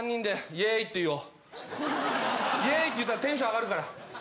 イエーイって言ったらテンション上がるから。